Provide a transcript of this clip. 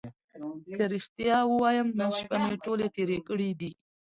که رښتیا ووایم نن شپه مې ټولې تېرې کړې دي.